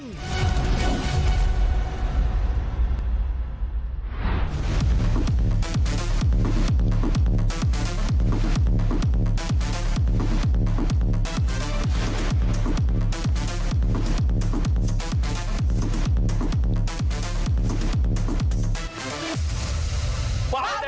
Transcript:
หน้าฝั่งกลิ่นที่สุดท้าย